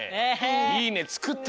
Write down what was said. いいねつくったね。